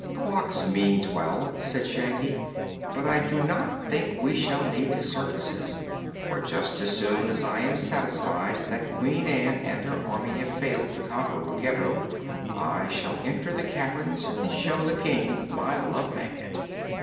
"Quox means well," said Shaggy, "but I do not think we shall need his services; for just as soon as I am satisfied that Queen Ann and her army have failed to conquer Ruggedo, I shall enter the caverns and show the King my Love Magnet.